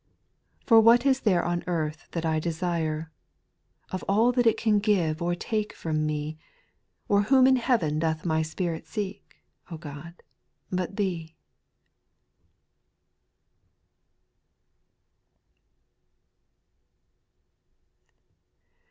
For what is there on earth that I desire, Of all that it can give or take from me, Or whom in heaven doth my spirit seek, O.God, but Thee?